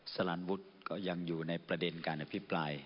สารันวุฒิก็ยังอยู่ในประเด็นการอภิปราย